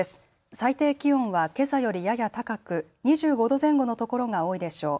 最低気温はけさよりやや高く２５度前後の所が多いでしょう。